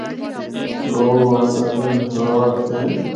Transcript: لوگ ہونڑ آسانی نال اِتھا آ ہکدے ہن۔